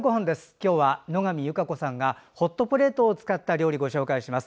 今日は野上優佳子さんがホットプレートを使った料理をご紹介します。